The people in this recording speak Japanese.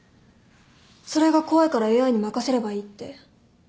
それが怖いからＡＩに任せればいいって？